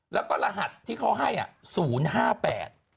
แล้วก็รหัสที่เขาให้๐๕๘